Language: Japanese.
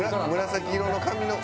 紫色の髪の。